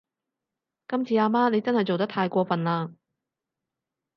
今次阿媽你真係做得太過份喇